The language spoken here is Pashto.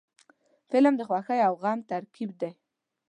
فلم د خوښۍ او غم ترکیب دی